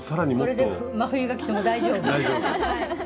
これで真冬が来ても大丈夫。